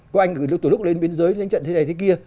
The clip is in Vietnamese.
có anh từ lúc lên biên giới đánh trận thế này thế kia